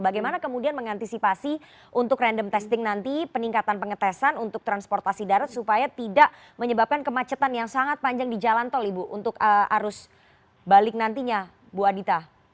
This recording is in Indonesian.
bagaimana kemudian mengantisipasi untuk random testing nanti peningkatan pengetesan untuk transportasi darat supaya tidak menyebabkan kemacetan yang sangat panjang di jalan tol ibu untuk arus balik nantinya bu adita